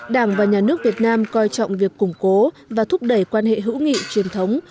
đảng và nhà nước việt nam coi trọng việc củng cố và thúc đẩy quan hệ hữu nghị truyền thống